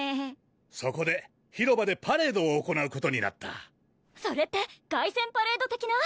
そこで広場でパレードを行うことになったそれって凱旋パレード的な？